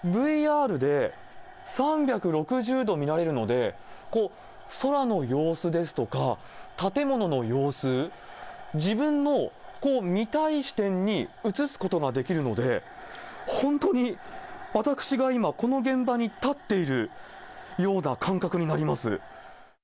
ＶＲで３６０度見られるので、こう、空の様子ですとか、建物の様子、自分の見たい視点に映すことができるので、本当に私が今、この現場に立っているような感覚になります。